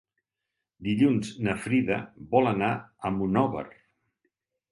Dilluns na Frida vol anar a Monòver.